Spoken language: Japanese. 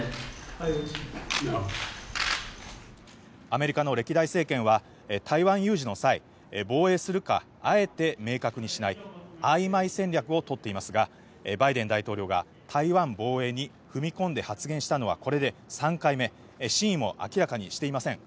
アメリカの歴代政権は、台湾有事の際、防衛するか、あえて明確にしない、あいまい戦略を取っていますが、バイデン大統領が台湾防衛に踏み込んで発言したのはこれで３回目、真意を明らかにしていません。